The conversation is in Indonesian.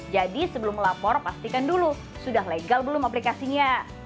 jadi sebelum melapor pastikan dulu sudah legal belum aplikasinya